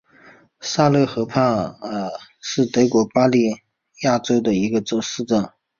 萨勒河畔萨尔是德国巴伐利亚州的一个市镇。